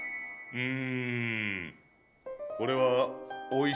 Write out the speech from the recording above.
うん？